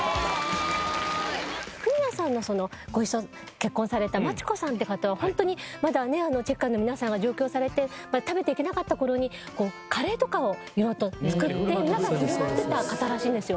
フミヤさんの結婚されたまち子さんって方はホントにまだねチェッカーズの皆さんが上京されて食べていけなかった頃にカレーとかを色々と作って皆さんに振る舞ってた方らしいんですよ。